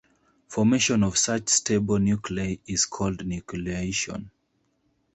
Formation of such stable "nuclei" is called nucleation.